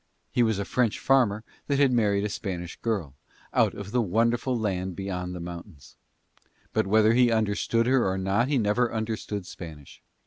He was a French farmer that had married a Spanish girl, out of the wonderful land beyond the mountains: but whether he understood her or not he never understood Spanish.